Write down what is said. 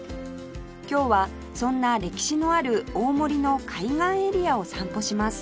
今日はそんな歴史のある大森の海岸エリアを散歩します